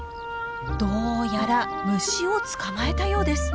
どうやら虫を捕まえたようです。